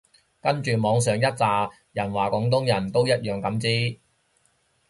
跟住網上一柞人話廣東人都一樣咁支